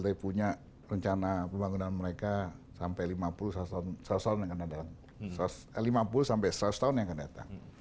tapi punya rencana pembangunan mereka sampai lima puluh seratus tahun yang akan datang